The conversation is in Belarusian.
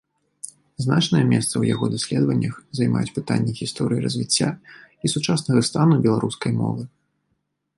Значнае месца ў яго даследаваннях займаюць пытанні гісторыі развіцця і сучаснага стану беларускай мовы.